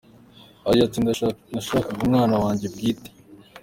Yagize ati: "Nashakaga umwana wanjye bwite.